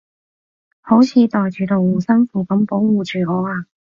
好似袋住道護身符噉保護住我啊